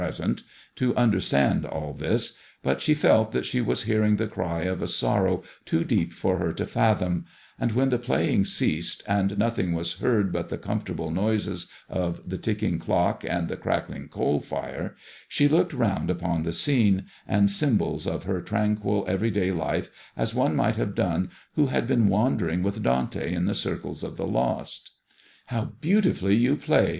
93 sent, to understand all this, but she felt that she was hearing the cry of a sorrow too deep for her to fathom, and when the playing ceased and nothing was heard but the comfortable noises of the ticking clock and the crackling coal fire, she looked round upon the scene and symbols of her tranquil everyday life as one might have done who had been wandering with Dante in the circles of the lost " How beautifully you play